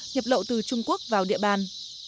nhập lậu từ trung quốc vào địa bàn